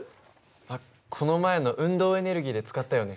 あっこの前の運動エネルギーで使ったよね。